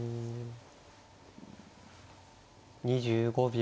２５秒。